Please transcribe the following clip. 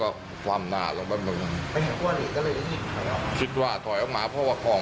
แล้วก็คว่ำหน้าหลงไปเมื่อมึง